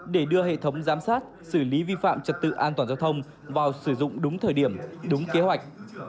để đưa hệ thống giám sát xử lý vi phạm trật tự an toàn giao thông vào sử dụng đúng thời điểm đúng kế hoạch